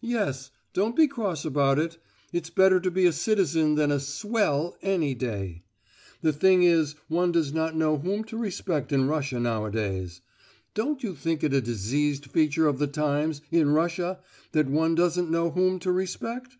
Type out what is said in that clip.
"Yes; don't be cross about it. It's better to be a citizen than 'a swell' any day! The thing is one does not know whom to respect in Russia nowadays! Don't you think it a diseased feature of the times, in Russia, that one doesn't know whom to respect?"